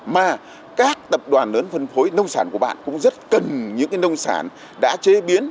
mà các tập đoàn lớn phân phối nông sản của bạn cũng rất cần những nông sản đã chế biến